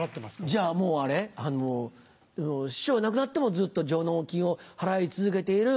じゃもう師匠が亡くなってもずっと上納金を払い続けている。